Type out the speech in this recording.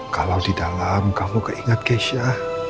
kalau di dalam kamu keingat keisha